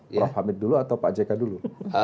prof hamid dulu atau pak jk dulu